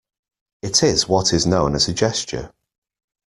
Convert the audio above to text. It is what is known as a gesture.